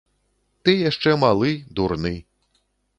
Ты яшчэ малы, дурны.